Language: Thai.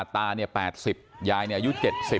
ตา๘๐ยายอยู่๗๐